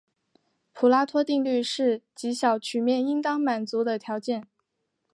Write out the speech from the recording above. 普拉托定律是极小曲面应当满足的条件。